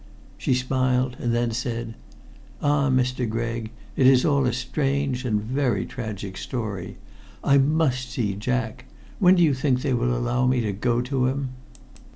She smiled, and then said: "Ah, Mr. Gregg, it is all a strange and very tragic story. I must see Jack. When do you think they will allow me to go to him?"